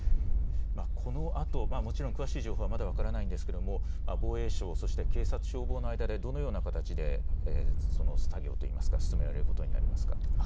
このあともちろん詳しい情報はまだ分からないんですが防衛省、そして警察、消防の間でどのような形で進められることになりますか。